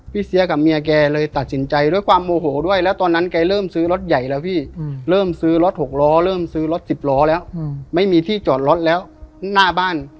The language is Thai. เสียกับเมียแกเลยตัดสินใจด้วยความโมโหด้วยแล้วตอนนั้นแกเริ่มซื้อรถใหญ่แล้วพี่เริ่มซื้อรถหกล้อเริ่มซื้อรถสิบล้อแล้วไม่มีที่จอดรถแล้วหน้าบ้าน